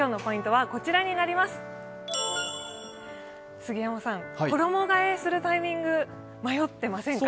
杉山さん、衣替えするタイミング、迷ってませんか？